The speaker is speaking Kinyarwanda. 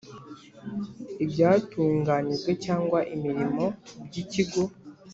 ibyatunganyijwe cyangwa imirimo by ikigo